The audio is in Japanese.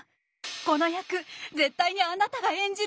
この役絶対にあなたが演じるべきよ。